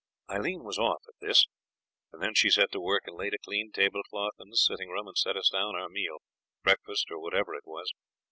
Aileen was off at this, and then she set to work and laid a clean tablecloth in the sitting room and set us down our meal breakfast, or whatever it was.